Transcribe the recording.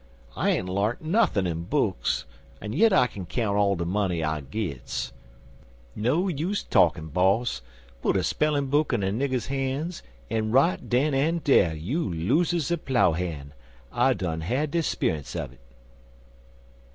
I ain't larnt nuthin' in books, 'en yit I kin count all de money I gits. No use talkin', boss. Put a spellin' book in a nigger's han's, en right den en dar' you loozes a plow hand. I done had de speunce un it."